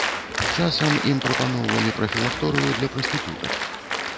Часам ім прапаноўвалі прафілакторыю для прастытутак.